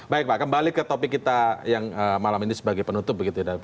baik pak kembali ke topik kita yang malam ini sebagai penutup begitu ya